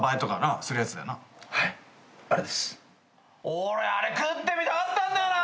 俺あれ食ってみたかったんだよな。